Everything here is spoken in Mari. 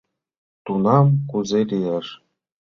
Тунам кузе лияш?